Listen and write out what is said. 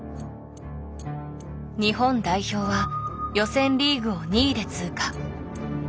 日本代表は予選リーグを２位で通過。